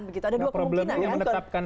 ada dua kemungkinan problemnya menetapkan